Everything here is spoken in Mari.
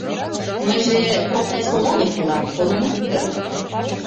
Мыйже Токтай-Сола гыч улам, колынат дыр?